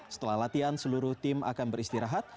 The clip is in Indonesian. setelah latihan seluruh tim akan beristirahat